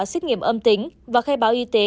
xét nghiệm âm tính và khai báo y tế